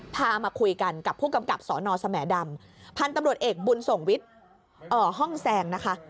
มาคุยกันกับผู้กำกับสนสแหมดำพันธุ์ตำรวจเอกบุญส่งวิทย์ห้องแซงนะคะ